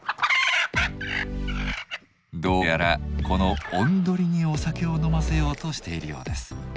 どうやらこのおんどりにお酒を飲ませようとしているようです。